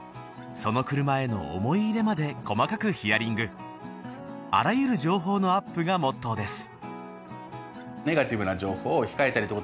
その車への思い入れまで細かくヒアリングあらゆる情報のアップがモットーです